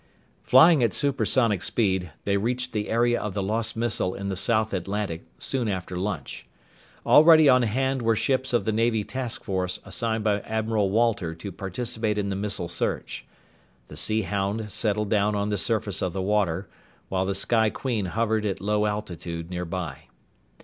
Flying at supersonic speed, they reached the area of the lost missile in the South Atlantic soon after lunch. Already on hand were ships of the Navy task force assigned by Admiral Walter to participate in the missile search. The Sea Hound settled down on the surface of the water, while the Sky Queen hovered at low altitude nearby.